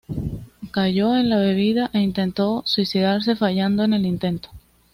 Cayó en la bebida e intentó suicidarse fallando en el intento.